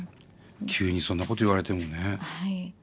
急にそんなこと言われてもね。